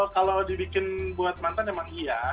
kalau dibikin buat mantan emang iya